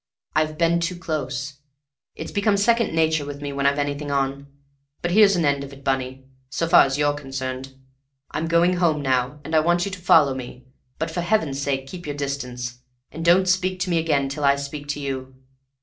"I've been too close. It's become second nature with me when I've anything on. But here's an end of it, Bunny, so far as you're concerned. I'm going home now, and I want you to follow me; but for heaven's sake keep your distance, and don't speak to me again till I speak to you.